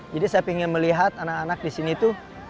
jadi saya ingin melihat anak anak di sini tuh